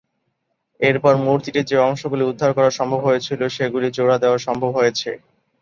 এরপর মূর্তিটির যে অংশগুলি উদ্ধার করা সম্ভব হয়েছিল, সেগুলি জোড়া দেওয়া সম্ভব হয়েছে।